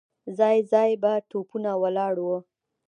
ځای ځای به توپونه ولاړ وو.